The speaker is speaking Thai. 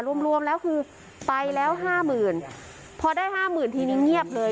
รวมรวมแล้วคือไปแล้วห้าหมื่นพอได้ห้าหมื่นทีนี้เงียบเลย